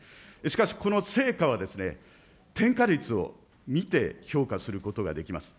しかしこの成果は、転嫁率を見て評価することができます。